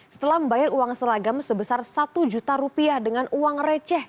setelah membayar uang seragam sebesar satu juta rupiah dengan uang receh